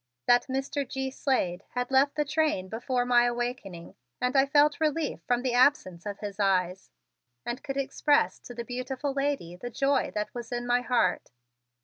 That Mr. G. Slade had left the train before my awakening and I felt relief from the absence of his eyes and could express to the beautiful lady the joy that was in my heart.